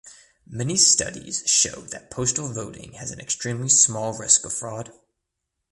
Many studies show that postal voting has an extremely small risk of fraud.